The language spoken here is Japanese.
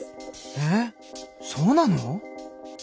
えっそうなの！？